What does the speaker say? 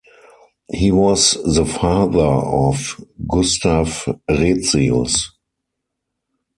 He was the father of Gustaf Retzius.